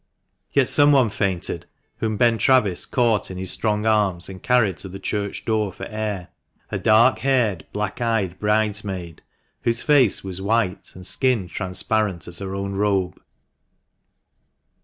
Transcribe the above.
Yet some one fainted, whom Ben Travis caught in his strong arms and carried to the church door for air ; a dark haired, black eyed bridesmaid, whose face was white and skin transparent as her own robe.